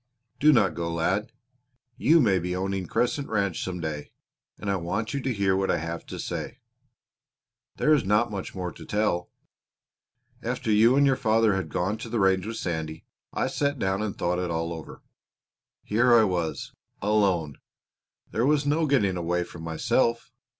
"Do not go, lad. You may be owning Crescent Ranch some day, and I want you to hear what I have to say. There is not much more to tell. After you and your father had gone to the range with Sandy I sat down and thought it all over. Here I was, alone! There was no getting away from myself.